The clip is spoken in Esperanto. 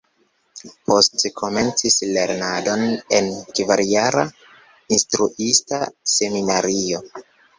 Poste komencis lernadon en kvarjara Instruista Seminario.